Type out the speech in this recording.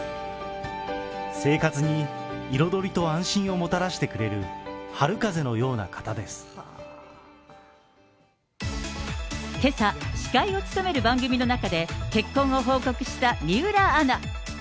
生活に彩りと安心をもたらしてくれる、けさ、司会を務める番組の中で、結婚を報告した水卜アナ。